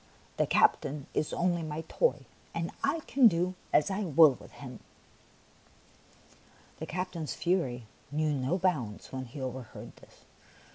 The captain is only my toy, and I can do as I will with him." The captain's fury knew no bounds when he overheard this.